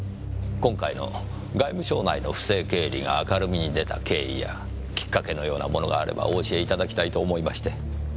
今回の外務省内の不正経理が明るみに出た経緯やキッカケのようなものがあればお教えいただきたいと思いまして。